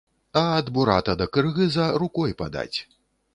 А ад бурата да кыргыза рукой падаць.